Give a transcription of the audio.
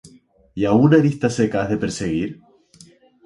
¿Y á una arista seca has de perseguir?